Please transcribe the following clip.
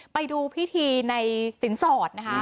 ไปดูพิธีในสินสอดนะคะ